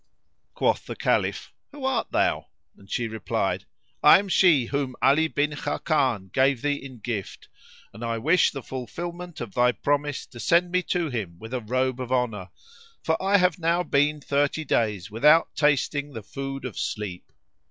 Quoth the Caliph, "Who art thou?" and she replied, "I am she whom Ali bin Khákán gave thee in gift, and I wish the fulfilment of thy promise to send me to him with the robe of honour; for I have now been thirty days without tasting the food of sleep."